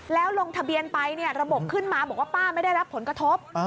แล้วลงทะเบียนไประบบขึ้นมาบอกว่าป้าไม่ได้รับผลกระทบ